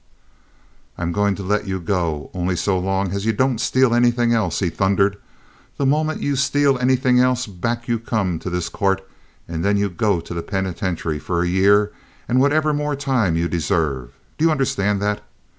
"I'm going to let you go only so long as you don't steal anything else," he thundered. "The moment you steal anything else, back you come to this court, and then you go to the penitentiary for a year and whatever more time you deserve. Do you understand that?